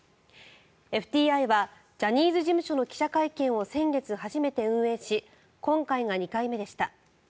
ＦＴＩはジャニーズ事務所の記者会見を先月初めて運営し今回が２回目でした。